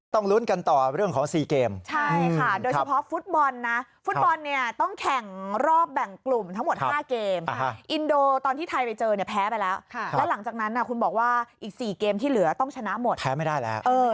ต้องลุ้นกันต่อเรื่องของ๔เกมใช่ค่ะโดยเฉพาะฟุตบอลนะฟุตบอลเนี่ยต้องแข่งรอบแบ่งกลุ่มทั้งหมด๕เกมอินโดตอนที่ไทยไปเจอเนี่ยแพ้ไปแล้วแล้วหลังจากนั้นคุณบอกว่าอีก๔เกมที่เหลือต้องชนะหมดแพ้ไม่ได้แล้ว